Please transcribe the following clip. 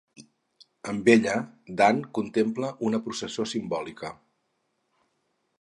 Amb ella Dant contempla una processó simbòlica.